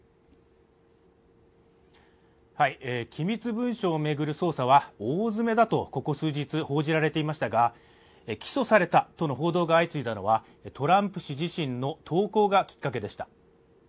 機密文書を巡る捜査は大詰めだと、ここ数日、報じられていましたが起訴されたとの報道が相次いだのはトランプ氏自身の投稿がきっかけでした。